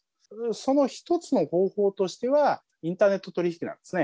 その一つの方法としては、インターネット取り引きなんですね。